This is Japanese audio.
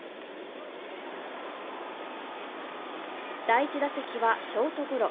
第１打席はショートゴロ。